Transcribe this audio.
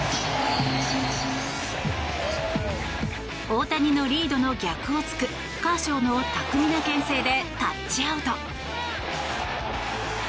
大谷のリードの逆を突くカーショーの巧みな牽制でタッチアウト。